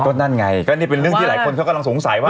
ก็นั่นไงก็นี่เป็นเรื่องที่หลายคนเขากำลังสงสัยว่า